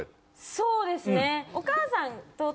そうですね。